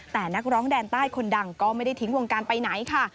แต่นักร้องแดนใต้คนดังก็ไม่ได้ทิ้งวงการไปไหนค่ะ